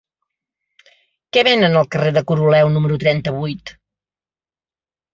Què venen al carrer de Coroleu número trenta-vuit?